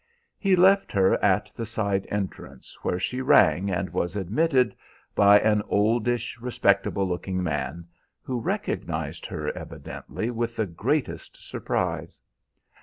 "He left her at the side entrance, where she rang and was admitted by an oldish, respectable looking man, who recognized her evidently with the greatest surprise.